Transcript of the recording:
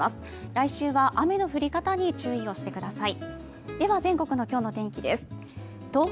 来週は雨の降り方に注意をしてください。